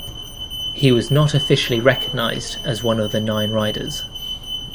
He was not officially recognized as one of the nine riders.